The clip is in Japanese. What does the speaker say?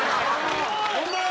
ホンマや！